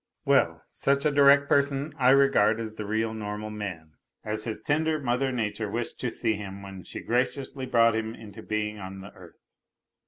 Well, such a direct person I regard as the real normal man, as his tender mother nature wished to see him when she graciously brought him into being on the earth.